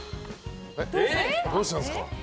どうしたんですか？